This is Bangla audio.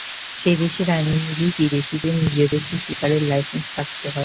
সেই দেশের আইন অনুযায়ী বিদেশিদের নিজ দেশে শিকারের লাইসেন্স থাকতে হয়।